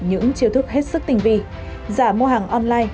những chiêu thức hết sức tinh vi